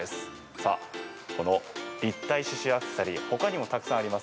さあ、この立体刺しゅうアクセサリー他にも、たくさんあります。